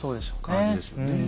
感じですよね。